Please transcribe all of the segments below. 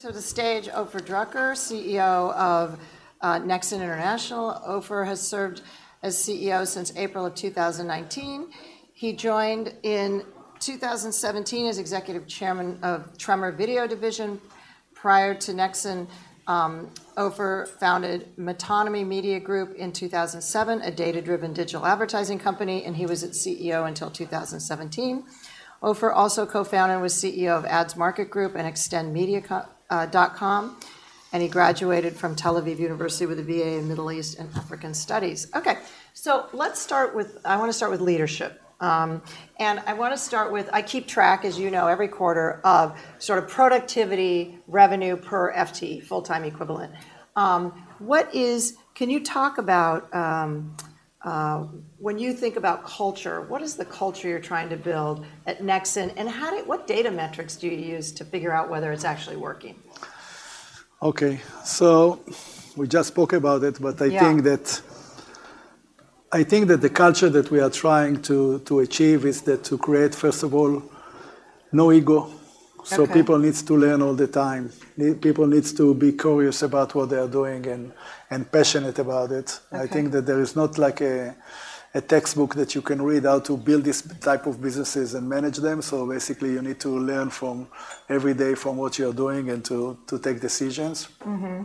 So on the stage, Ofer Druker, CEO of Nexxen International. Ofer has served as CEO since April 2019. He joined in 2017 as Executive Chairman of Tremor Video Division. Prior to Nexxen, Ofer founded Matomy Media Group in 2007, a data-driven digital advertising company, and he was its CEO until 2017. Ofer also co-founded AdsMarket Group and XtendMedia.com, and he graduated from Tel Aviv University with a BA in Middle East and African Studies. Okay, so let's start with—I want to start with leadership. I want to start with, I keep track, as you know, every quarter of sort of productivity, revenue per FTE, full-time equivalent. Can you talk about, when you think about culture, what is the culture you're trying to build at Nexxen, and what data metrics do you use to figure out whether it's actually working? Okay. So we just spoke about it, but- Yeah I think that the culture that we are trying to achieve is to create, first of all, no ego. Okay. People needs to learn all the time. People needs to be curious about what they are doing and passionate about it. Okay. I think that there is not like a textbook that you can read how to build this type of businesses and manage them. So basically, you need to learn from every day from what you are doing and to take decisions. Mm-hmm.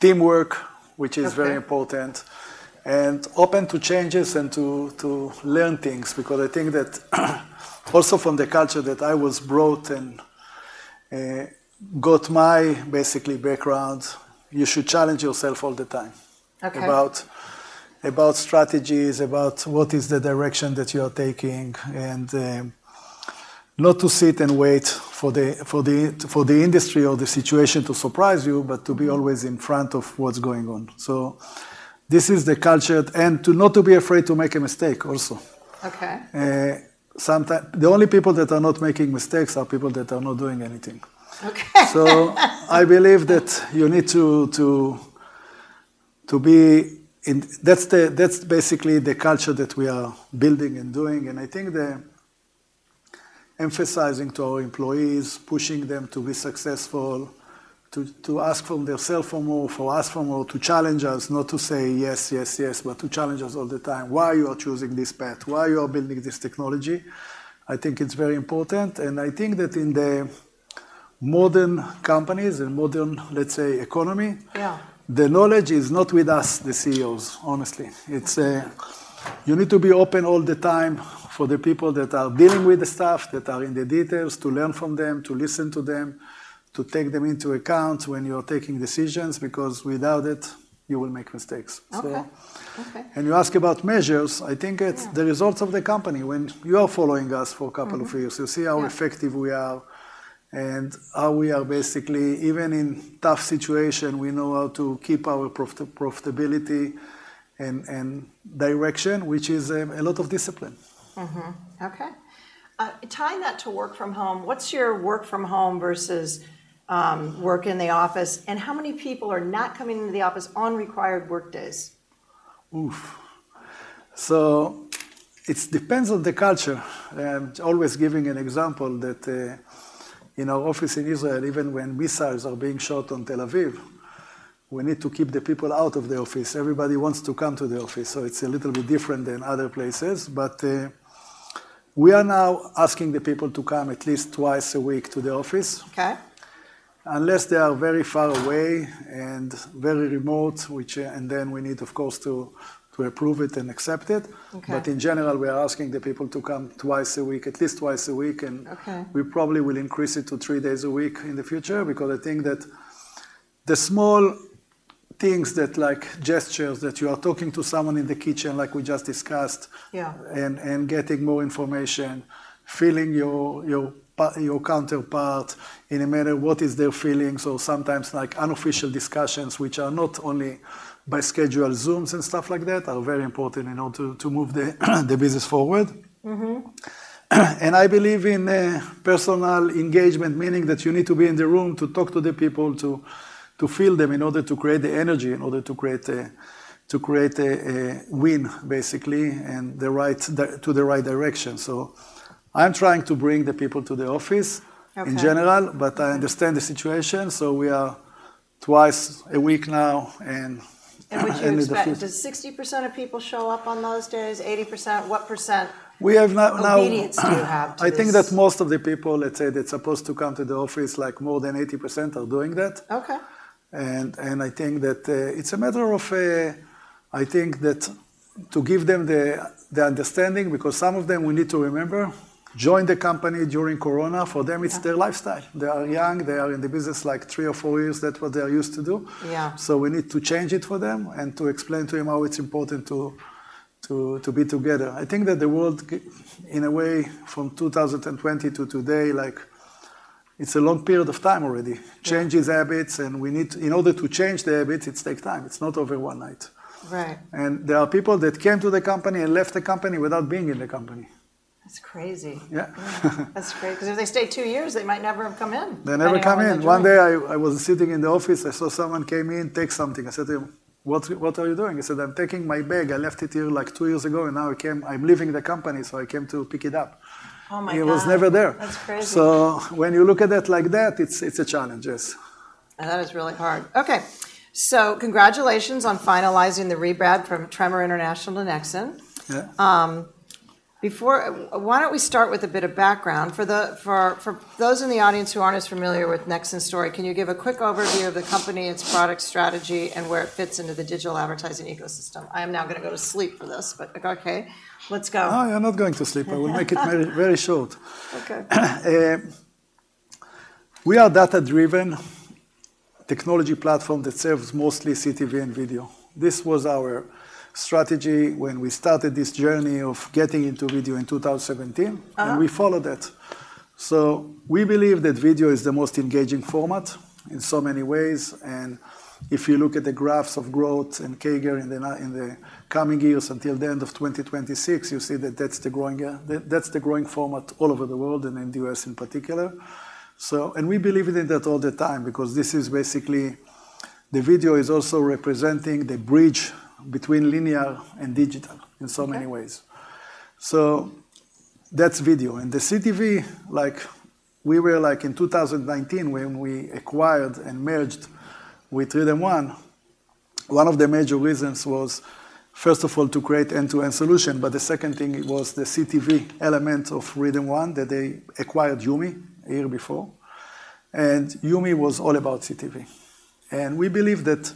Teamwork, which is very important and open to changes and to learn things because I think that also from the culture that I was brought and got my basically background, you should challenge yourself all the time. Okay About strategies, about what is the direction that you are taking, and not to sit and wait for the industry or the situation to surprise you, but to be always in front of what's going on. So this is the culture, and to not to be afraid to make a mistake also. Okay. The only people that are not making mistakes are people that are not doing anything. Okay. So I believe that you need to be in, that's basically the culture that we are building and doing, and I think the emphasizing to our employees, pushing them to be successful, to ask from their self for more, to ask for more, to challenge us, not to say yes, yes, yes, but to challenge us all the time. Why you are choosing this path? Why you are building this technology? I think it's very important, and I think that in the modern companies and modern, let's say, economy. Yeah The knowledge is not with us, the CEOs, honestly. It's, you need to be open all the time for the people that are dealing with the stuff, that are in the details, to learn from them, to listen to them, to take them into account when you are taking decisions, because without it, you will make mistakes. Okay. So- Okay. You ask about measures, I think it's the results of the company. When you are following us for a couple of years. Mm-hmm. Yeah You see how effective we are and how we are basically, even in tough situation, we know how to keep our profitability and direction, which is a lot of discipline. Mm-hmm. Okay. Tying that to work from home, what's your work from home versus work in the office, and how many people are not coming into the office on required work days? Oof. It depends on the culture. I'm always giving an example that in our office in Israel, even when missiles are being shot on Tel Aviv, we need to keep the people out of the office. Everybody wants to come to the office, so it's a little bit different than other places. But we are now asking the people to come at least twice a week to the office. Okay. Unless they are very far away and very remote, which, and then we need, of course, to approve it and accept it. Okay. But in general, we are asking the people to come twice a week, at least twice a week. Okay We probably will increase it to three days a week in the future, because I think that the small things that, like gestures, that you are talking to someone in the kitchen, like we just discussed. Yeah And getting more information, feeling your counterpart in a matter what is their feelings, or sometimes, like unofficial discussions, which are not only by scheduled Zooms and stuff like that, are very important in order to move the business forward. Mm-hmm. And I believe in personal engagement, meaning that you need to be in the room to talk to the people, to feel them in order to create the energy, in order to create a win, basically, and the right direction. So I'm trying to bring the people to the office. Okay In general, but I understand the situation, so we are twice a week now, and in the future. Would you expect, does 60% of people show up on those days, 80%? What percent- We have now. Obedience do you have to this? I think that most of the people, let's say, that's supposed to come to the office, like more than 80% are doing that. Okay. I think that it's a matter of, I think that to give them the understanding, because some of them, we need to remember, joined the company during Corona. For them it's their lifestyle. They are young, they are in the business like three or four years. That's what they are used to do. Yeah. So we need to change it for them and to explain to them how it's important to be together. I think that the world in a way, from 2020 to today, like, it's a long period of time already. Yeah. Change is habits, and we need to... In order to change the habits, it takes time. It's not over one night. Right. There are people that came to the company and left the company without being in the company. That's crazy. Yeah. That's crazy, because if they stay two years, they might never have come in. They never come in. At all. One day, I was sitting in the office. I saw someone came in, take something. I said to him, "What are you doing?" He said, "I'm taking my bag. I left it here, like, two years ago, and now I came. I'm leaving the company, so I came to pick it up. Oh, my God! He was never there. That's crazy. When you look at it like that, it's a challenge, yes. That is really hard. Okay, so congratulations on finalizing the rebrand from Tremor International to Nexxen. Yeah. Why don't we start with a bit of background? For those in the audience who aren't as familiar with Nexxen's story, can you give a quick overview of the company, its product strategy, and where it fits into the digital advertising ecosystem? I am now gonna go to sleep for this, but, okay, let's go. No, you're not going to sleep. I will make it very, very short. Okay. We are data-driven technology platform that serves mostly CTV and video. This was our strategy when we started this journey of getting into video in 2017. And we followed that. So we believe that video is the most engaging format in so many ways, and if you look at the graphs of growth and CAGR in the coming years until the end of 2026, you see that that's the growing format all over the world and in the U.S. in particular. So and we believe in that all the time because this is basically. The video is also representing the bridge between linear and digital in so many ways. Okay. So that's video. And the CTV, like, we were, like, in 2019 when we acquired and merged with RhythmOne, one of the major reasons was, first of all, to create end-to-end solution, but the second thing, it was the CTV element of RhythmOne, that they acquired YuMe a year before. And YuMe was all about CTV. And we believe that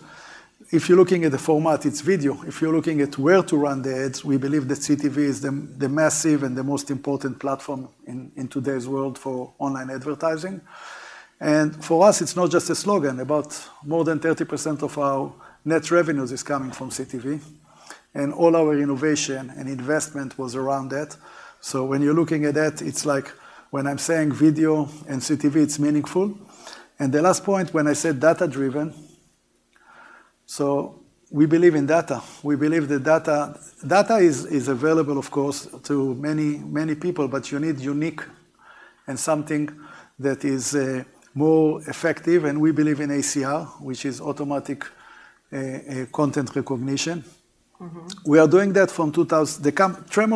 if you're looking at the format, it's video. If you're looking at where to run the ads, we believe that CTV is the massive and the most important platform in today's world for online advertising. And for us, it's not just a slogan. About more than 30% of our net revenues is coming from CTV, and all our innovation and investment was around that. So when you're looking at that, it's like when I'm saying video and CTV, it's meaningful. And the last point, when I said data-driven, so we believe in data. We believe that data is available, of course, to many, many people, but you need unique and something that is more effective, and we believe in ACR, which is automatic content recognition. Tremor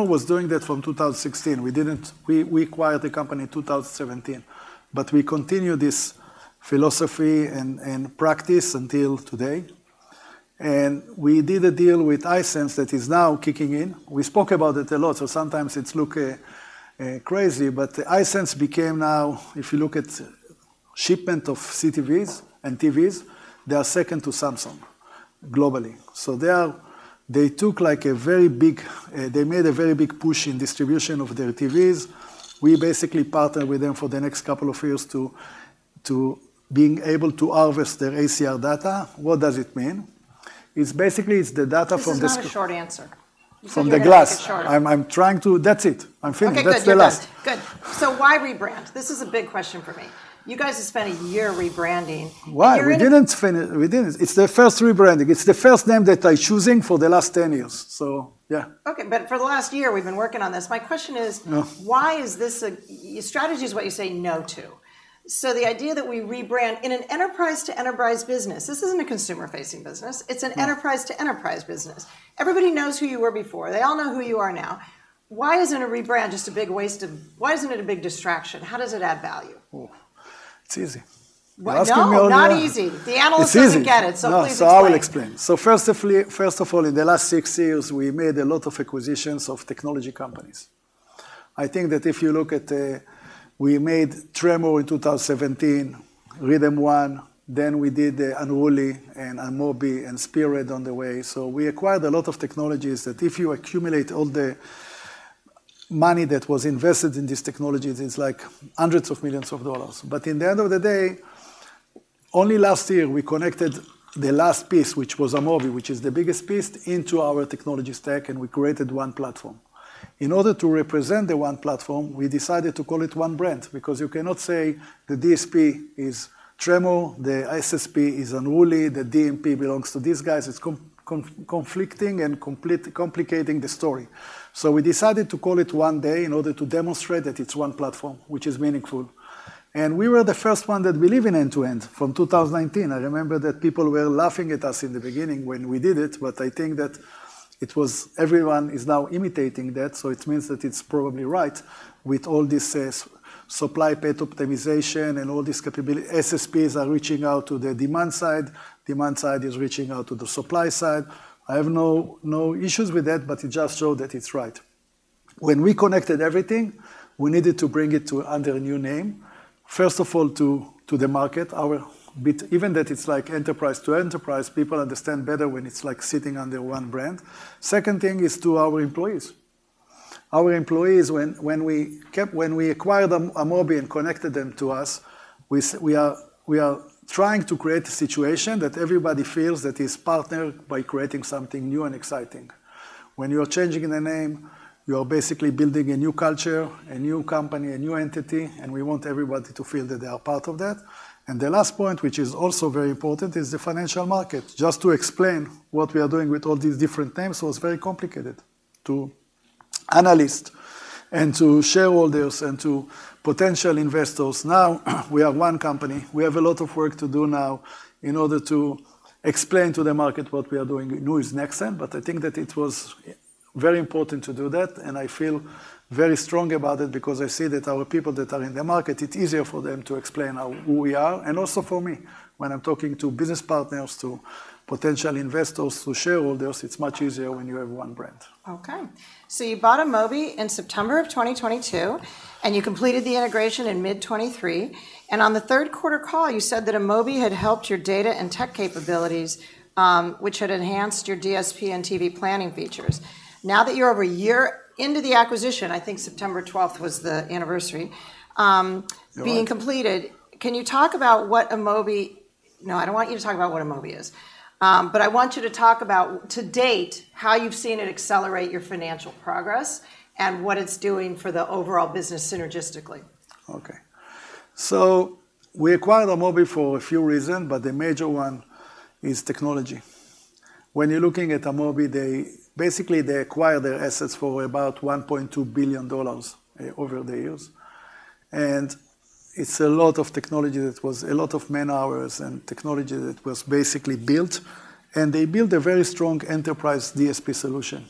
was doing that from 2016. We acquired the company in 2017, but we continue this philosophy and practice until today. We did a deal with Hisense that is now kicking in. We spoke about it a lot, so sometimes it looks crazy, but Hisense became now, if you look at shipment of CTVs and TVs, they are second to Samsung globally. So they took, like, a very big, they made a very big push in distribution of their TVs. We basically partnered with them for the next couple of years to being able to harvest their ACR data. What does it mean? It's basically the data from the- This is not a short answer. From the glass. You're going to make it shorter. That's it. I'm finished. Okay, good. That's the last. Good. So why rebrand? This is a big question for me. You guys have spent a year rebranding. Why? We didn't. It's the first rebranding. It's the first name that I choosing for the last 10 years, so yeah. Okay, but for the last year, we've been working on this. My question is why is this a strategy? Strategy is what you say no to. So the idea that we rebrand in an enterprise-to-enterprise business, this isn't a consumer-facing business, it's an enterprise-to-enterprise business. Everybody knows who you were before. They all know who you are now. Why isn't a rebrand just a big waste? Why isn't it a big distraction? How does it add value? Oh, it's easy. Why? Ask me all- No, not easy. The analysts. It's easy Didn't get it, so please explain. No, so I will explain. So firstly, first of all, in the last 6 years, we made a lot of acquisitions of technology companies. I think that if you look at the, we made Tremor in 2017, RhythmOne, then we did the Unruly and Amobee and Spearad on the way. So we acquired a lot of technologies that if you accumulate all the money that was invested in these technologies, it's like $hundreds of millions. But in the end of the day, only last year, we connected the last piece, which was Amobee, which is the biggest piece, into our technology stack, and we created one platform. In order to represent the one platform, we decided to call it one brand, because you cannot say the DSP is Tremor, the SSP is Unruly, the DMP belongs to these guys. It's conflicting and complicating the story. So we decided to call it one day in order to demonstrate that it's one platform, which is meaningful. And we were the first one that believe in end-to-end from 2019. I remember that people were laughing at us in the beginning when we did it, but I think that it was everyone is now imitating that, so it means that it's probably right with all this supply path optimization and all these capability. SSPs are reaching out to the demand side, demand side is reaching out to the supply side. I have no issues with that, but it just show that it's right. When we connected everything, we needed to bring it under a new name. First of all, to the market, our but even that it's like enterprise to enterprise, people understand better when it's like sitting under one brand. Second thing is to our employees. Our employees, when we acquired Amobee and connected them to us, we are trying to create a situation that everybody feels that is partnered by creating something new and exciting. When you are changing the name, you are basically building a new culture, a new company, a new entity, and we want everybody to feel that they are part of that. The last point, which is also very important, is the financial market. Just to explain what we are doing with all these different names was very complicated to analysts and to shareholders and to potential investors. Now, we are one company. We have a lot of work to do now in order to explain to the market what we are doing, who is Nexxen, but I think that it was very important to do that, and I feel very strong about it because I see that our people that are in the market, it's easier for them to explain who we are, and also for me. When I'm talking to business partners, to potential investors, to shareholders, it's much easier when you have one brand. Okay. So you bought Amobee in September 2022, and you completed the integration in mid-2023. On the third quarter call, you said that Amobee had helped your data and tech capabilities, which had enhanced your DSP and TV planning features. Now that you're over a year into the acquisition, I think September 12 was the anniversary. Yeah Being completed, can you talk about what Amobee—no, I don't want you to talk about what Amobee is. But I want you to talk about, to date, how you've seen it accelerate your financial progress and what it's doing for the overall business synergistically. Okay. So we acquired Amobee for a few reasons, but the major one is technology. When you're looking at Amobee, they basically acquired their assets for about $1.2 billion over the years. And it's a lot of technology, that was a lot of man-hours and technology that was basically built, and they built a very strong enterprise DSP solution,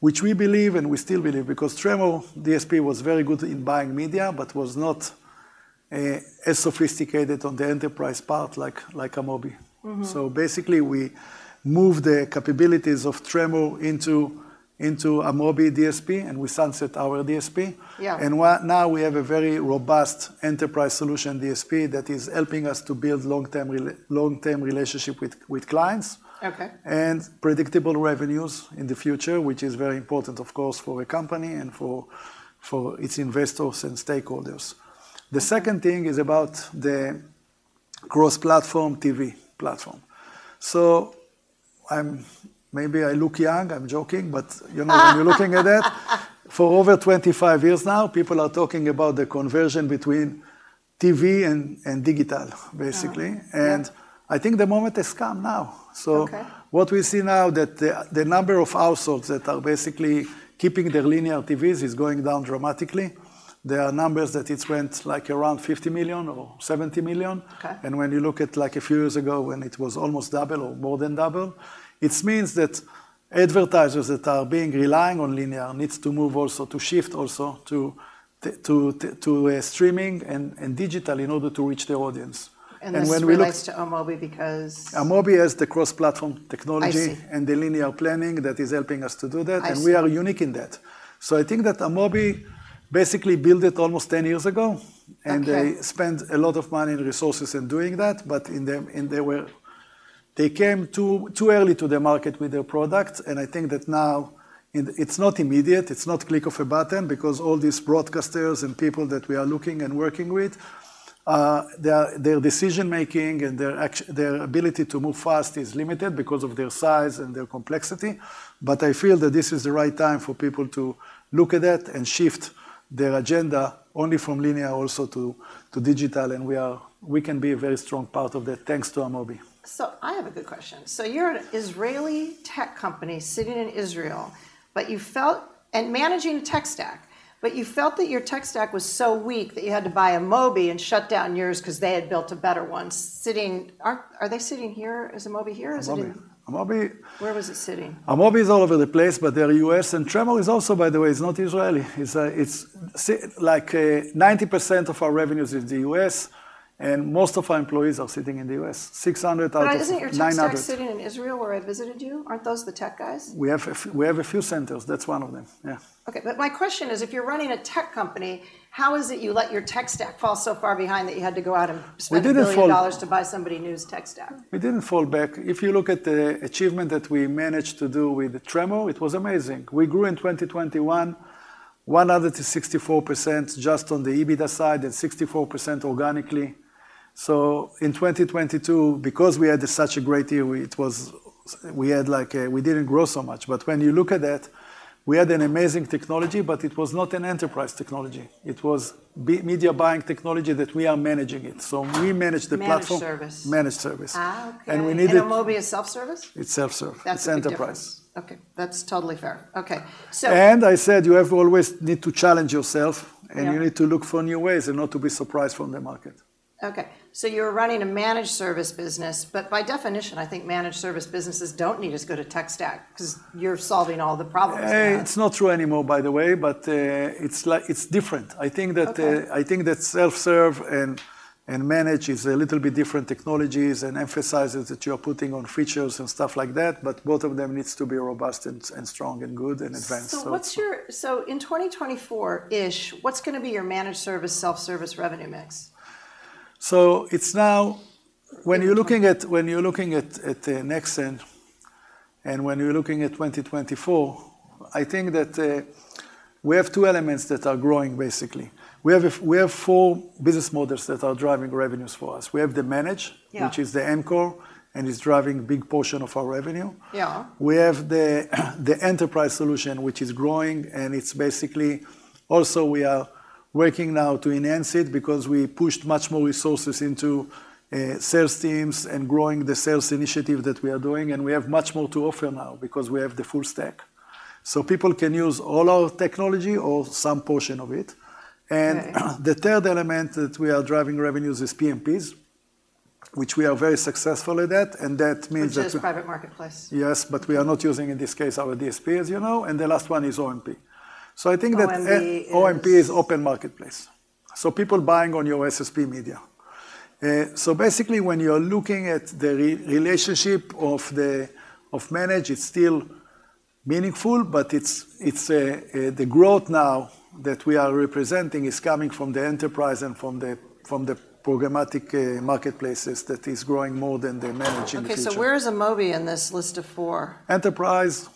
which we believe, and we still believe, because Tremor DSP was very good in buying media, but was not as sophisticated on the enterprise part like Amobee. Mm-hmm. So basically, we moved the capabilities of Tremor into Amobee DSP, and we sunset our DSP. Yeah. Now we have a very robust enterprise solution DSP that is helping us to build long-term relationship with clients. Okay And predictable revenues in the future, which is very important, of course, for a company and for its investors and stakeholders. The second thing is about the cross-platform TV platform. So, I'm maybe I look young, I'm joking, but you know, when you're looking at it, for over 25 years now, people are talking about the conversion between TV and digital, basically. Yeah. I think the moment has come now. Okay. So what we see now, that the number of households that are basically keeping their Linear TVs is going down dramatically. There are numbers that it went, like around 50 million or 70 million. Okay. And when you look at, like, a few years ago, when it was almost double or more than double, it means that advertisers that are being relying on linear needs to move also, to shift also to streaming and, and digital in order to reach their audience. And when we look. This relates to Amobee because? Amobee has the cross-platform technology. I see And the linear planning that is helping us to do that. I see. We are unique in that. I think that Amobee basically built it almost 10 years ago. Okay And they spent a lot of money and resources in doing that, but they came too early to the market with their product, and I think that now it's not immediate, it's not click of a button, because all these broadcasters and people that we are looking and working with, their decision-making and their ability to move fast is limited because of their size and their complexity. But I feel that this is the right time for people to look at that and shift their agenda only from linear also to digital, and we can be a very strong part of that, thanks to Amobee. So I have a good question. You're an Israeli tech company sitting in Israel, but you felt... And managing a tech stack, but you felt that your tech stack was so weak that you had to buy Amobee and shut down yours because they had built a better one. Are they sitting here? Is Amobee here, or is it? Amobee, Amobee- Where was it sitting? Amobee is all over the place, but they're U.S., and Tremor is also, by the way, is not Israeli. It's like 90% of our revenues is U.S., and most of our employees are sitting in the U.S. 600 out of 900. But isn't your tech stack sitting in Israel, where I visited you? Aren't those the tech guys? We have a few centers. That's one of them, yeah. Okay, but my question is, if you're running a tech company, how is it you let your tech stack fall so far behind that you had to go out and spend- We didn't fall back. $1 billion to buy somebody new's tech stack? We didn't fall back. If you look at the achievement that we managed to do with Tremor, it was amazing. We grew in 2021, 100%-64% just on the EBITDA side and 64% organically. So in 2022, because we had such a great year, it was we had like a, we didn't grow so much. But when you look at that, we had an amazing technology, but it was not an enterprise technology. It was media buying technology that we are managing it. So we managed the platform. Managed service? Managed service. Ah, okay. We needed- Amobee is self-service? It's self-serve. That's a big difference. It's enterprise. Okay, that's totally fair. Okay. I said you have always need to challenge yourself. Yeah And you need to look for new ways and not to be surprised from the market. Okay, so you're running a managed service business, but by definition, I think managed service businesses don't need as good a tech stack because you're solving all the problems, yeah? It's not true anymore, by the way, but it's like, it's different. I think that, I think that self-serve and managed is a little bit different technologies and emphasizes that you are putting on features and stuff like that, but both of them needs to be robust and strong and good and advanced. So in 2024-ish, what's gonna be your managed service, self-service revenue mix? So it's now. When you're looking at, when you're looking at Nexxen and when you're looking at 2024, I think that we have two elements that are growing, basically. We have a, we have four business models that are driving revenues for us. We have the managed. Yeah Which is the anchor, and it's driving a big portion of our revenue. Yeah. We have the enterprise solution, which is growing, and it's basically, also, we are working now to enhance it because we pushed much more resources into sales teams and growing the sales initiative that we are doing, and we have much more to offer now because we have the full stack. So people can use all our technology or some portion of it. Okay. The third element that we are driving revenues is PMPs, which we are very successful at that, and that means that- Which is Private Marketplace? Yes, but we are not using, in this case, our DSP, as you know, and the last one is OMP. So I think that. OMP is? OMP is open marketplace, so people buying on your SSP media. So basically, when you are looking at the relationship of managed, it's still meaningful, but it's the growth now that we are representing is coming from the enterprise and from the programmatic marketplaces that is growing more than the managed in the future. Okay, so where is Amobee in this list of four? Enterprise.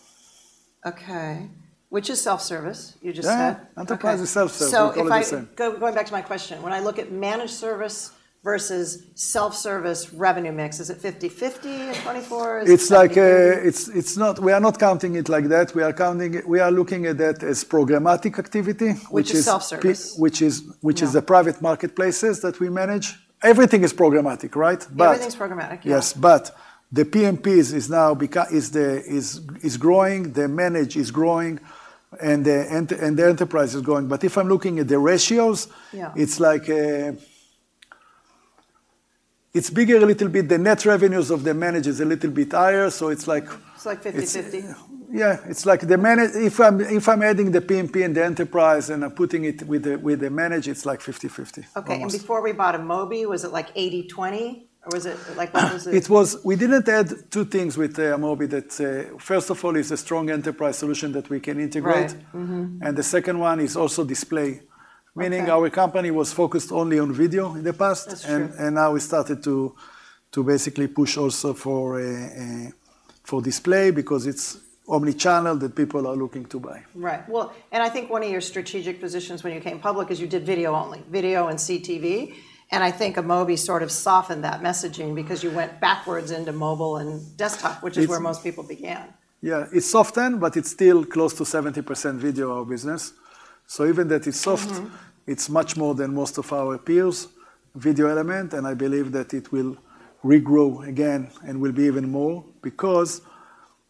Okay. Which is self-service, you just said? Yeah, enterprise is self-service. Okay All the same. So going back to my question, when I look at managed service versus self-service revenue mix, is it 50/50 in 2024? Is it 70/30? It's like, we are not counting it like that. We are looking at that as programmatic activity, which is? Which is self-service. Which is the private marketplaces that we manage. Everything is programmatic, right? Everything is programmatic, yes. Yes, but the PMPs is now growing, the managed is growing, and the enterprise is growing. But if I'm looking at the ratios. Yeah It's like, it's bigger a little bit. The Net Revenues of the managed is a little bit higher, so it's like- It's like 50/50? Yeah, it's like the managed. If I'm adding the PMP and the enterprise, and I'm putting it with the managed, it's like 50/50, almost. Okay, and before we bought Amobee, was it like 80-20, or was it like, what was it? We didn't add two things with Amobee that. First of all, it's a strong enterprise solution that we can integrate. Right. Mm-hmm. The second one is also display. Okay Meaning our company was focused only on video in the past. That's true. Now we started to basically push also for display because it's omni-channel that people are looking to buy. Right. Well, and I think one of your strategic positions when you came public is you did video only, video and CTV, and I think Amobee sort of softened that messaging because you went backwards into mobile and desktop which is where most people began. Yeah. It's softened, but it's still close to 70% video, our business. So even that it's soft it's much more than most of our peers, video element, and I believe that it will regrow again and will be even more. Because,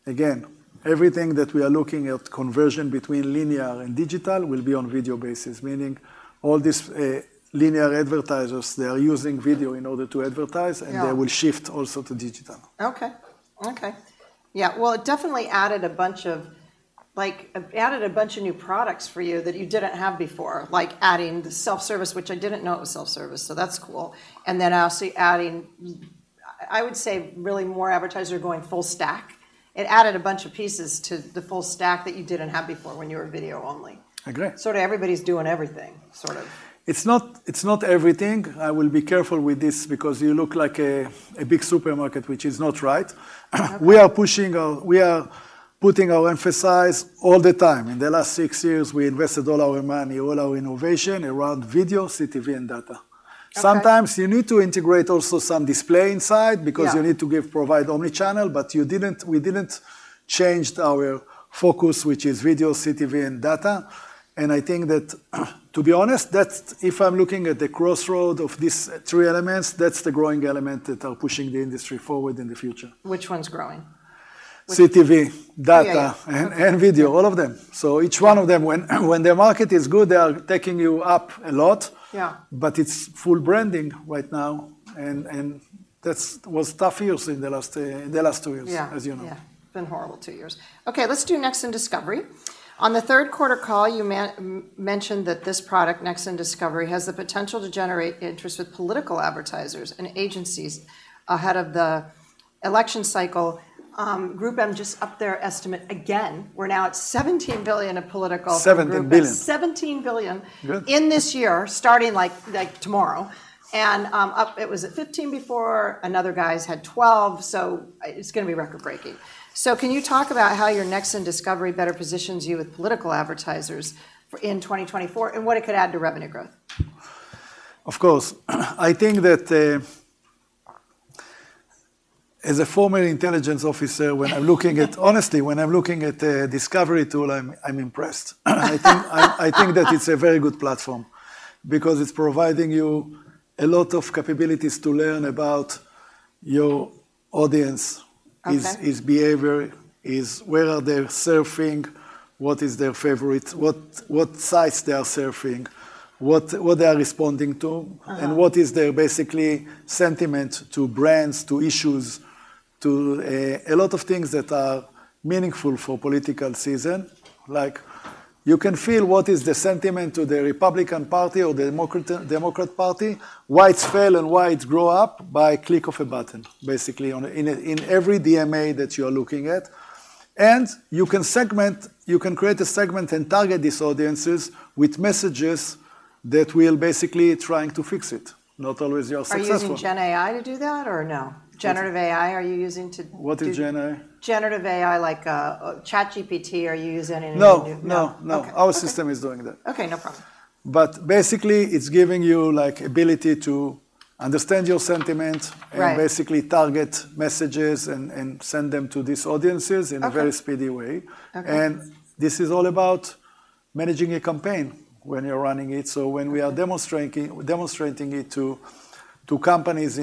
again, everything that we are looking at, conversion between linear and digital will be on video basis, meaning all these, linear advertisers, they are using video in order to advertise and they will shift also to digital. Okay. Okay. Yeah, well, it definitely added a bunch of, like, new products for you that you didn't have before, like adding the self-service, which I didn't know it was self-service, so that's cool. And then also adding, I would say, really more advertisers are going full stack. It added a bunch of pieces to the full stack that you didn't have before when you were video only. Agree. Sort of everybody's doing everything, sort of. It's not, it's not everything. I will be careful with this because you look like a big supermarket, which is not right. Okay. We are putting our emphasis all the time. In the last six years, we invested all our money, all our innovation around video, CTV, and data. Okay. Sometimes you need to integrate also some display inside because you need to give, provide omni-channel, but you didn't- we didn't changed our focus, which is video, CTV, and data, and I think that, to be honest, that's- if I'm looking at the crossroad of these three elements, that's the growing element that are pushing the industry forward in the future. Which one's growing? CTV, data- CTV? And video, all of them. So each one of them, when the market is good, they are taking you up a lot. Yeah. But it's full branding right now, and that's was tough years in the last two years. Yeah As you know. Yeah, it's been horrible two years. Okay, let's do Nexxen Discovery. On the third quarter call, you mentioned that this product, Nexxen Discovery, has the potential to generate interest with political advertisers and agencies ahead of the election cycle. GroupM just upped their estimate again. We're now at $17 billion of political- 17 billion. 17 billion in this year, starting like, like tomorrow. And, up, it was at 15 before, another guys had 12, so it's gonna be record-breaking. So can you talk about how your Nexxen Discovery better positions you with political advertisers for- in 2024, and what it could add to revenue growth? Of course. I think that, as a former intelligence officer, honestly, when I'm looking at a discovery tool, I'm impressed. I think that it's a very good platform because it's providing you a lot of capabilities to learn about your audience. Okay His behavior, his where are they surfing, what is their favorite, what sites they are surfing, what they are responding to and what is their basically sentiment to brands, to issues, to a lot of things that are meaningful for political season. Like, you can feel what is the sentiment to the Republican Party or the Democrat, Democrat Party, why it's fail and why it's grow up by click of a button, basically, in every DMA that you're looking at. And you can create a segment and target these audiences with messages that will basically trying to fix it. Not always you are successful. Are you using Gen AI to do that, or no? What? Generative AI, are you using to do? What is Gen AI? Generative AI, like, ChatGPT, are you using any new? No, no, no. Okay. Our system is doing that. Okay, no problem. Basically, it's giving you, like, ability to understand your sentiment. Right. And basically target messages and send them to these audiences in a very speedy way. Okay. This is all about managing a campaign when you're running it. When we are demonstrating it to companies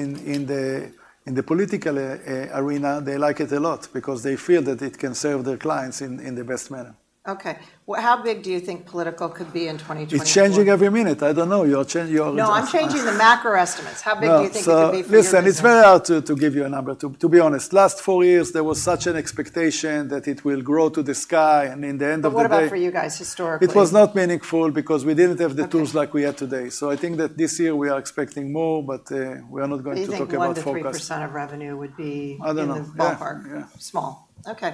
in the political arena, they like it a lot because they feel that it can serve their clients in the best manner. Okay. Well, how big do you think political could be in 2024? It's changing every minute. I don't know. You're change, you're? No, I'm changing the macro estimates. No. How big do you think it could be for your business? Listen, it's very hard to give you a number. To be honest, last four years, there was such an expectation that it will grow to the sky, and in the end of the day- But what about for you guys historically? It was not meaningful because we didn't have the tools like we have today. So I think that this year we are expecting more, but we are not going to talk about forecast. Do you think 1%-3% of revenue would be? I don't know. In the ballpark? Yeah. Small. Okay.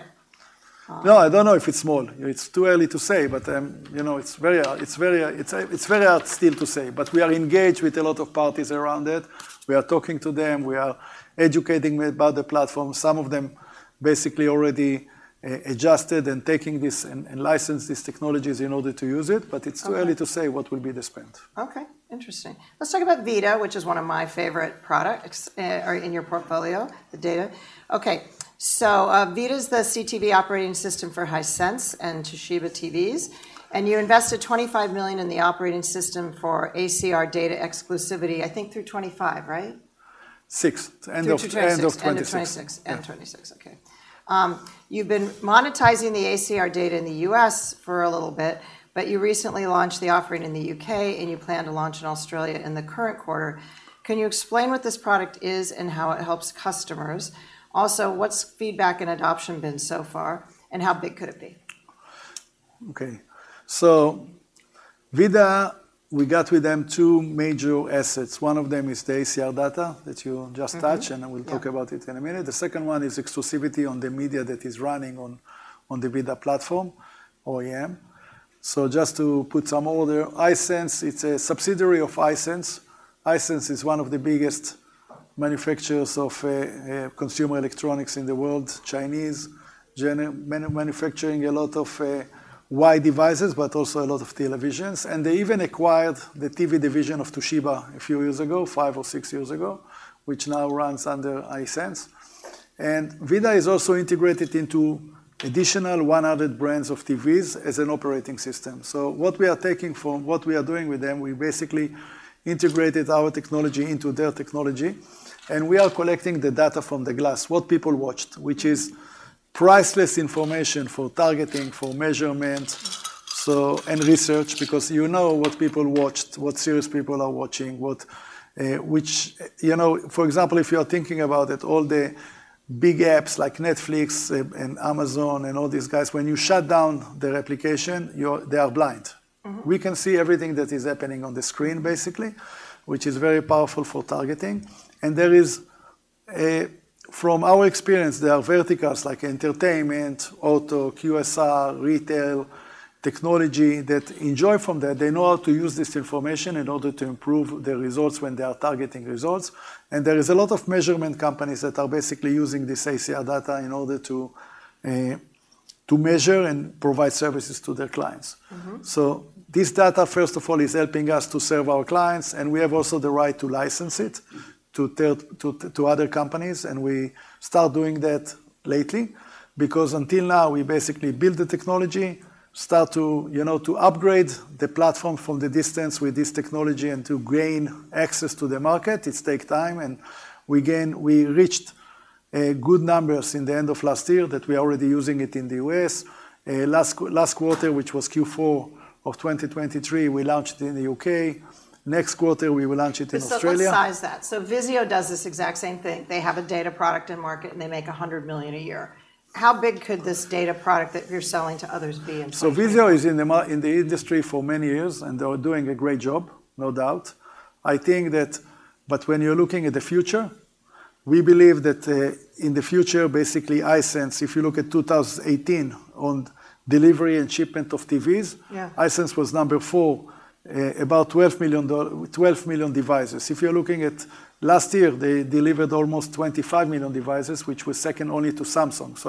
No, I don't know if it's small. It's too early to say, but you know, it's very hard. It's very hard still to say. But we are engaged with a lot of parties around it. We are talking to them, we are educating them about the platform. Some of them basically already adjusted and taking this and license these technologies in order to use it, but it's too early to say what will be the spend. Okay. Interesting. Let's talk about VIDAA, which is one of my favorite products in your portfolio, the data. Okay. So, VIDAA is the CTV operating system for Hisense and Toshiba TVs, and you invested $25 million in the operating system for ACR data exclusivity, I think through 2025, right? 6, end of- Through 2026 End of 2026. End of 26. Yeah. End of 26, okay. You've been monetizing the ACR data in the U.S. for a little bit, but you recently launched the offering in the U.K., and you plan to launch in Australia in the current quarter. Can you explain what this product is and how it helps customers? Also, what's feedback and adoption been so far, and how big could it be? Okay. So VIDAA, we got with them two major assets. One of them is the ACR data that you just touched. Yeah And we'll talk about it in a minute. The second one is exclusivity on the media that is running on the VIDAA platform, OEM. So just to put some order, VIDAA, it's a subsidiary of Hisense. Hisense is one of the biggest manufacturers of consumer electronics in the world, Chinese manufacturing a lot of wide devices, but also a lot of televisions. And they even acquired the TV division of Toshiba a few years ago, five or six years ago, which now runs under Hisense. And VIDAA is also integrated into additional 100 brands of TVs as an operating system. What we are doing with them, we basically integrated our technology into their technology, and we are collecting the data from the glass, what people watched, which is priceless information for targeting, for measurement, so, and research, because you know what people watched, what series people are watching, what, which. You know, for example, if you are thinking about it, all the big apps like Netflix and Amazon and all these guys, when you shut down their application, they are blind. We can see everything that is happening on the screen, basically, which is very powerful for targeting. From our experience, there are verticals like entertainment, auto, QSR, retail, technology that enjoy from that. They know how to use this information in order to improve their results when they are targeting results. There is a lot of measurement companies that are basically using this ACR data in order to, to measure and provide services to their clients. So this data, first of all, is helping us to serve our clients, and we have also the right to license it to other companies, and we start doing that lately. Because until now, we basically built the technology, start to, you know, to upgrade the platform from the distance with this technology and to gain access to the market. It take time, and we reached good numbers in the end of last year that we are already using it in the U.S. Last quarter, which was Q4 of 2023, we launched in the U.K. Next quarter, we will launch it in Australia. Let's size that. Vizio does this exact same thing. They have a data product in market, and they make $100 million a year. How big could this data product that you're selling to others be in 2024? So Vizio is in the industry for many years, and they are doing a great job, no doubt. I think that, but when you're looking at the future, we believe that, in the future, basically, Hisense, if you look at 2018 on delivery and shipment of TVs. Yeah Hisense was number four, about 12 million devices. If you're looking at last year, they delivered almost 25 million devices, which was second only to Samsung.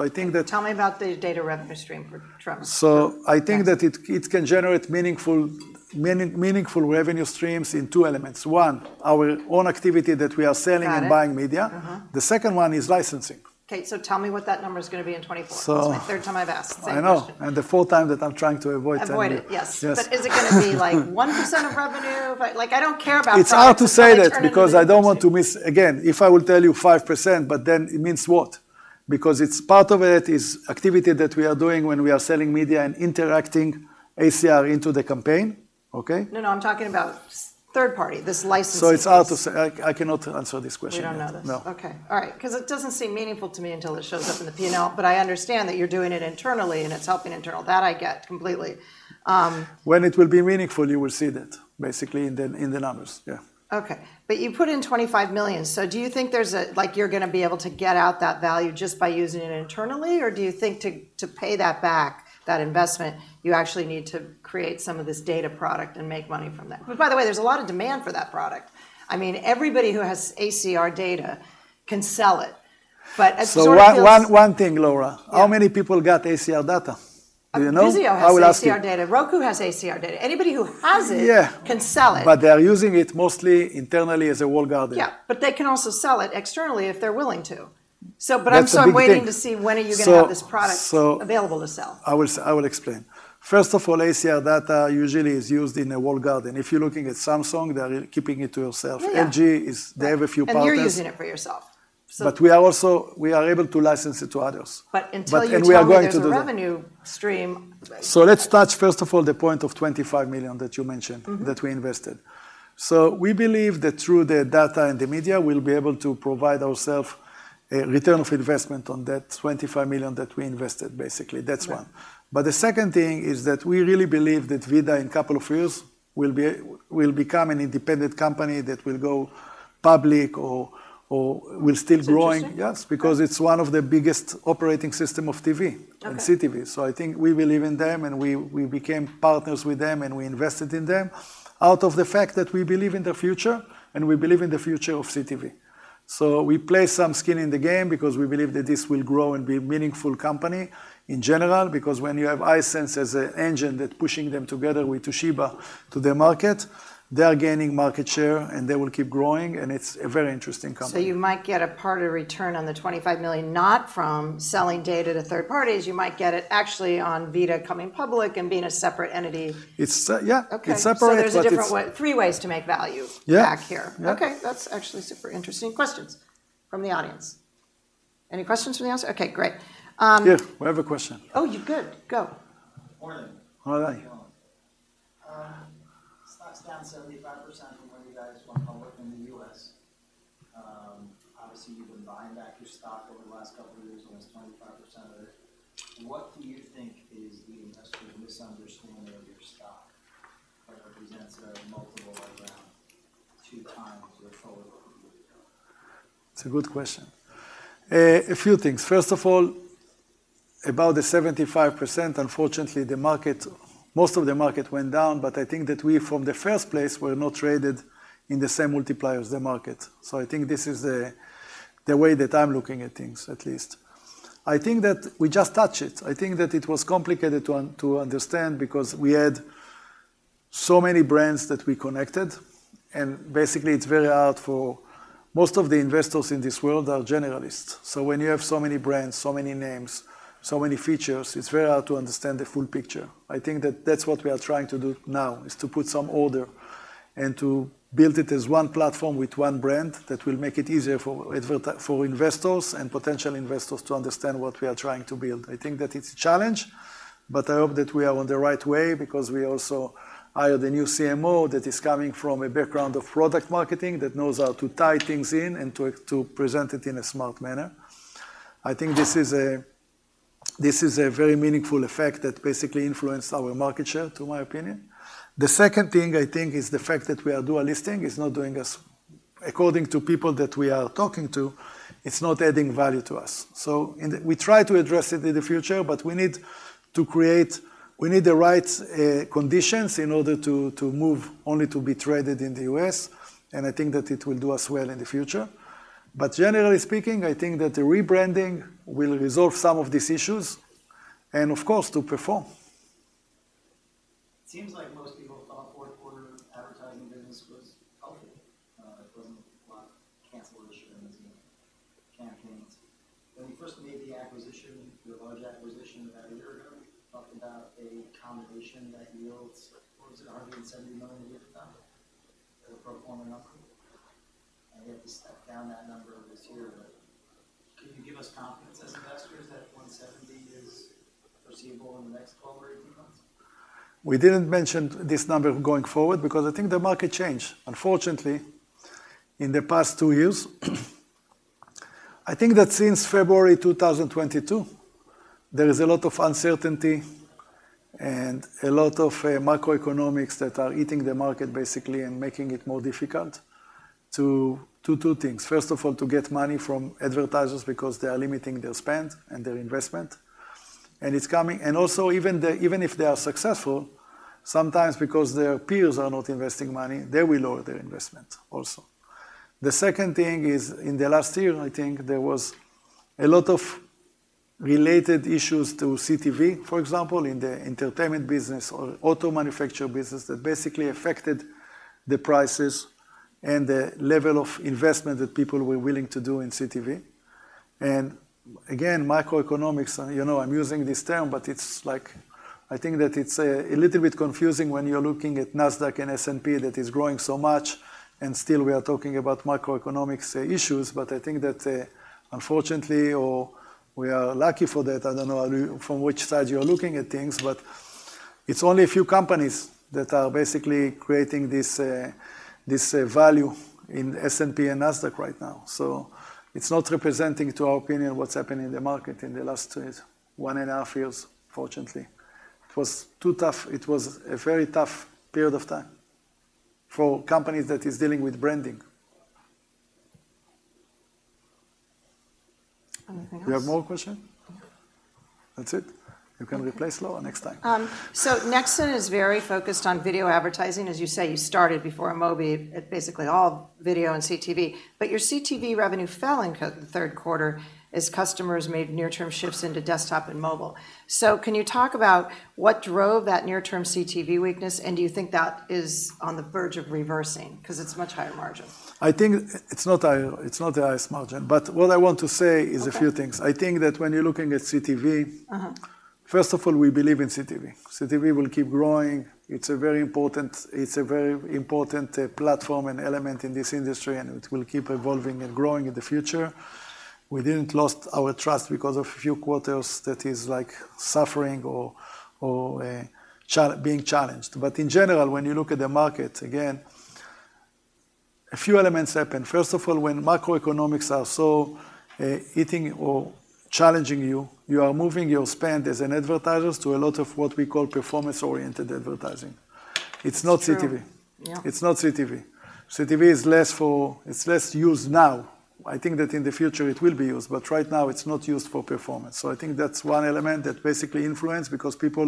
Tell me about the data revenue stream for Tremor? So I think that it can generate meaningful revenue streams in two elements. One, our own activity that we are selling and buying media. The second one is licensing. Okay, so tell me what that number is going to be in 2024? It's my third time I've asked. I know. Same question. The fourth time that I'm trying to avoid telling you. Avoid it, yes. Yes. But is it going to be, like, 1% of revenue? But, like, I don't care about- It's hard to say that. How do you turn it into. Because I don't want to miss. Again, if I will tell you 5%, but then it means what? Because it's part of it is activity that we are doing when we are selling media and interacting ACR into the campaign. Okay? No, no, I'm talking about third party, this licensing piece. It's hard to say. I cannot answer this question. We don't know this. No. Okay. All right, because it doesn't seem meaningful to me until it shows up in the P&L, but I understand that you're doing it internally, and it's helping internal. That I get completely. When it will be meaningful, you will see that, basically, in the numbers, yeah. Okay. But you put in $25 million, so do you think there's a, like, you're going to be able to get out that value just by using it internally, or do you think to, to pay that back, that investment, you actually need to create some of this data product and make money from that? Which, by the way, there's a lot of demand for that product. I mean, everybody who has ACR data can sell it. One thing, Laura, how many people got ACR data? Do you know? Vizio has ACR data. Roku has ACR data. Anybody who has it can sell it. But they are using it mostly internally as a Walled Garden. Yeah, but they can also sell it externally if they're willing to. So, but- That's a big thing. I'm still waiting to see when are you gonna have this product available to sell. I will, I will explain. First of all, ACR data usually is used in a Walled Garden, and if you're looking at Samsung, they are keeping it to themselves. Yeah. LG is, they have a few partners. They're using it for yourself. But we are also, we are able to license it to others. But until you tell me. We are going to do that. There's a revenue stream. Let's touch, first of all, the point of $25 million that you mentioned that we invested. So we believe that through the data and the media, we'll be able to provide ourself a return of investment on that $25 million that we invested, basically. Right. That's one. But the second thing is that we really believe that VIDAA in a couple of years will be, will become an independent company that will go public or, or will still growing. Interesting. Yes, because it's one of the biggest operating system of TV and CTV. So I think we believe in them, and we, we became partners with them, and we invested in them out of the fact that we believe in their future, and we believe in the future of CTV. So we play some skin in the game because we believe that this will grow and be a meaningful company in general, because when you have Hisense as an engine that's pushing them together with Toshiba to their market, they are gaining market share, and they will keep growing, and it's a very interesting company. You might get a part of return on the $25 million, not from selling data to third parties. You might get it actually on VIDAA coming public and being a separate entity. It's yeah. Okay. It's separate, but it's- So there's a different way, three ways to make value back here. Yeah. Okay, that's actually super interesting. Questions from the audience? Any questions from the audience? Okay, great. Yeah, we have a question. Oh, you're good. Go. Morning. Hi. Stock's down 75% from when you guys went public in the U.S. Obviously, you've been buying back your stock over the last couple of years, almost 25% of it. What do you think is the investor misunderstanding of your stock that represents a multiple of around 2x your total a year ago? It's a good question. A few things. First of all, about the 75%, unfortunately, the market, most of the market went down, but I think that we, from the first place, were not traded in the same multiplier as the market. So I think this is the way that I'm looking at things, at least. I think that we just touch it. I think that it was complicated to understand because we had so many brands that we connected, and basically, it's very hard for, most of the investors in this world are generalists. So when you have so many brands, so many names, so many features, it's very hard to understand the full picture. I think that's what we are trying to do now, is to put some order and to build it as one platform with one brand that will make it easier for investors and potential investors to understand what we are trying to build. I think that it's a challenge, but I hope that we are on the right way because we also hired a new CMO that is coming from a background of product marketing, that knows how to tie things in and to present it in a smart manner. I think this is a very meaningful effect that basically influenced our market share, to my opinion. The second thing, I think, is the fact that we are dual listing, is not doing us. According to people that we are talking to, it's not adding value to us. So we try to address it in the future, but we need to create the right conditions in order to move only to be traded in the U.S., and I think that it will do us well in the future. But generally speaking, I think that the rebranding will resolve some of these issues, and of course, to perform. It seems like most people thought fourth quarter advertising business was healthy. It wasn't a lot of cancellation in campaigns. When you first made the acquisition, the large acquisition, about a year ago, you talked about a combination that yields, what was it? $170 million a year from now at a pro forma number, and you have to step down that number this year. But can you give us confidence as investors that $170 is foreseeable in the next 12 or 18 months? We didn't mention this number going forward because I think the market changed. Unfortunately, in the past two years, I think that since February 2022, there is a lot of uncertainty and a lot of macroeconomics that are hitting the market, basically, and making it more difficult to two things. First of all, to get money from advertisers because they are limiting their spend and their investment, and it's coming. And also, even if they are successful, sometimes because their peers are not investing money, they will lower their investment also. The second thing is, in the last year, I think there was a lot of related issues to CTV, for example, in the entertainment business or auto manufacturer business, that basically affected the prices and the level of investment that people were willing to do in CTV. Again, microeconomics, you know, I'm using this term, but it's like, I think that it's a little bit confusing when you're looking at Nasdaq and S&P, that is growing so much, and still we are talking about microeconomics issues. But I think that, unfortunately, or we are lucky for that, I don't know, from which side you are looking at things, but it's only a few companies that are basically creating this, this, value in S&P and Nasdaq right now. So it's not representing to our opinion, what's happened in the market in the last two years, one and a half years, fortunately. It was too tough. It was a very tough period of time for companies that is dealing with branding. Anything else? You have more question?... That's it. You can replace Laura next time. So Nexxen is very focused on video advertising. As you say, you started before InMobi at basically all video and CTV. But your CTV revenue fell in the third quarter as customers made near-term shifts into desktop and mobile. So can you talk about what drove that near-term CTV weakness, and do you think that is on the verge of reversing? Because it's much higher margin. I think it's not the highest margin, but what I want to say is a few things. I think that when you're looking at CTV. First of all, we believe in CTV. CTV will keep growing. It's a very important, it's a very important, platform and element in this industry, and it will keep evolving and growing in the future. We didn't lost our trust because of few quarters that is like suffering or, or, being challenged. But in general, when you look at the market, again, a few elements happen. First of all, when macroeconomics are so, hitting or challenging you, you are moving your spend as an advertiser to a lot of what we call performance-oriented advertising. It's not CTV. True. Yeah. It's not CTV. CTV is less for—it's less used now. I think that in the future it will be used, but right now, it's not used for performance. So I think that's one element that basically influence, because people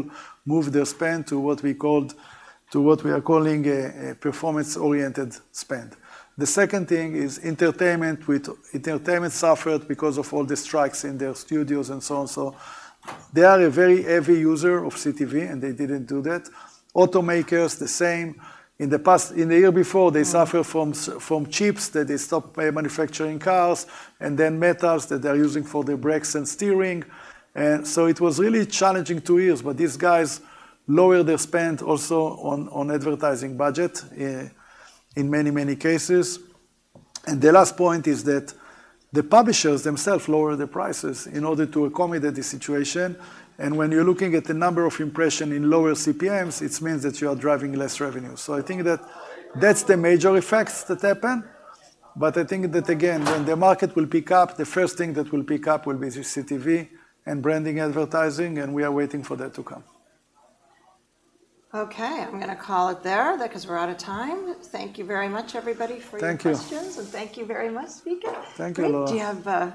move their spend to what we called, to what we are calling a, a performance-oriented spend. The second thing is entertainment, with entertainment suffered because of all the strikes in their studios and so on. So they are a very heavy user of CTV, and they didn't do that. Automakers, the same. In the past, in the year before, they suffer from from chips, that they stop manufacturing cars, and then metals that they're using for their brakes and steering. And so it was really challenging two years, but these guys lowered their spend also on, on advertising budget in many, many cases. The last point is that the publishers themselves lower their prices in order to accommodate the situation. When you're looking at the number of impressions in lower CPMs, it means that you are driving less revenue. I think that that's the major effects that happen, but I think that again, when the market will pick up, the first thing that will pick up will be CTV and branding advertising, and we are waiting for that to come. Okay, I'm gonna call it there, because we're out of time. Thank you very much, everybody, for your questions. Thank you. Thank you very much, speaker. Thank you, Laura. Great. Do you have,